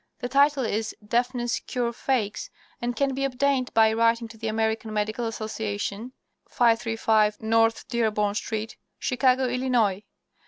The title is "Deafness Cure Fakes," and can be obtained by writing to the American Medical Association, 535 North Dearborn Street, Chicago, Illinois.